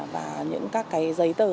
và những các cái giấy tờ